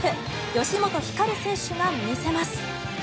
吉本ひかる選手が見せます。